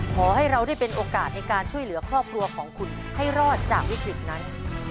ขอให้เราได้เป็นโอกาสในการช่วยเหลือครอบครัวของคุณให้รอดจากวิกฤตนั้น